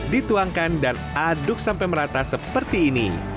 dituangkan dan aduk sampai merata seperti ini